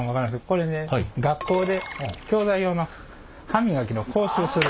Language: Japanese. これね学校で教材用の歯磨きの講習をする。